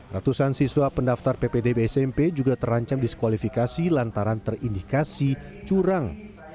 ratusan siswa pendaftar ppdb smp juga terancam diskualifikasi lantaran terindikasi curang